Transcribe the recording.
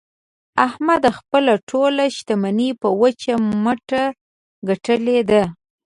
احمد خپله ټوله شمني په وچ مټه ګټلې ده.